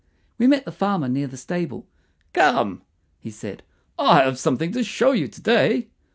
We met the farmer near the stable. "Come," he said; "I have something to show you to day."